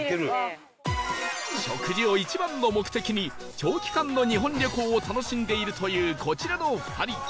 食事を一番の目的に長期間の日本旅行を楽しんでいるというこちらの２人